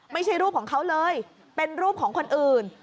ไม่ใช่รูปของเขาเลยเป็นรูปของคนอื่น